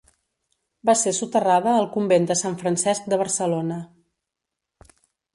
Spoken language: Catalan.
Va ser soterrada al convent de Sant Francesc de Barcelona.